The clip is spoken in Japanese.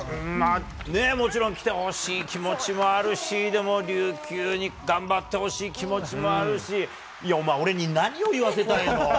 もちろん、来てほしい気持ちもあるし、でも琉球に頑張ってほしい気持ちもあるし、いやまあ、俺に何を言わせたいの。